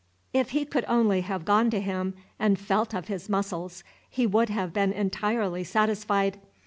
If he could only have gone to him and felt of his muscles, he would have been entirely satisfied.